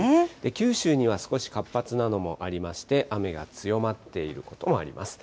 九州には少し活発なのもありまして、雨が強まっていることもあります。